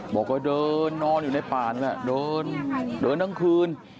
บอกว่าเดินนอนอยู่ในป่านเดินตั้งคืน